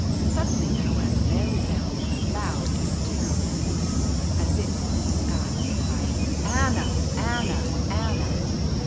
Suddenly, however, there resounds a loud and terrible voice, as if from the skies, crying "Anna, Anna, Anna!"